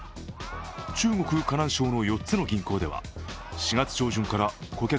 中国・河南省の４つの銀行では４月上旬から顧客